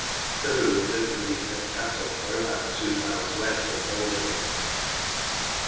The ruins of Gleaston Castle are about two miles west of Aldingham. (pp.